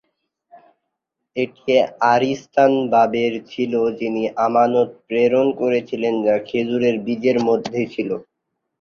এটি আরিস্তান-বাবের ছিল যিনি আমানত প্রেরণ করেছিলেন, যা খেজুরের বীজের মধ্যে ছিল।